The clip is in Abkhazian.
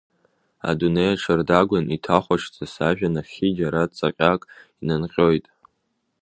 Адунеи аҽардагәан, иҭахәаҽӡа сажәа, нахьхьи џьара цаҟьак инанҟьоит.